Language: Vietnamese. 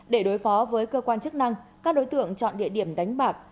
để đối phó với cơ quan chức năng các đối tượng chọn địa điểm đánh bạc